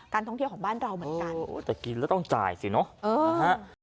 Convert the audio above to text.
การท่องเที่ยวของบ้านเราเหมือนกันแต่กินแล้วต้องจ่ายสิเนอะเออ